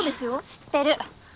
知ってる。